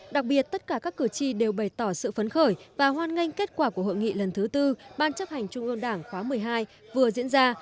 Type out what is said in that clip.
đặc biệt tất cả các cử tri đều bày tỏ sự phấn khởi và hoan nghênh kết quả của hội nghị lần thứ tư ban chấp hành trung ương đảng khóa một mươi hai vừa diễn ra